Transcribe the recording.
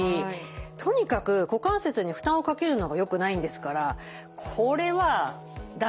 とにかく股関節に負担をかけるのがよくないんですからこれは駄目でしょう。